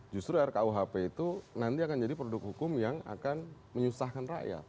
justru rkuhp itu nanti akan jadi produk hukum yang akan menyusahkan rakyat